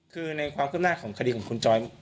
คือในความขึ้นหน้าของคดีของคุณจอย